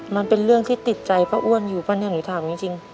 มันเป็นเรื่องที่ติดใจป้าอ้วนอยู่ป่ะเนี่ยหนูถามจริง